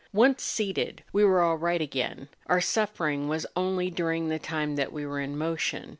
Once seated we were all right again; our suffering was only during the time that we were in motion.